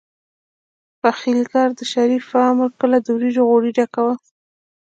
پخليګر د شريف په امر کله د وريجو غوري ډکول.